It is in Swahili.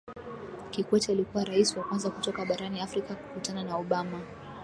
kikwete alikuwa rais wa kwanza kutoka barani afrika kukutana na obama